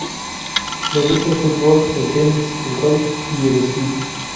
Le gusta el fútbol, el tenis, el golf, y el esquí.